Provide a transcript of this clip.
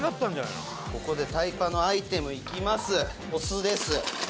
「ここでタイパのアイテムいきます」